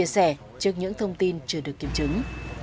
rẻ trước những thông tin chưa được kiểm chứng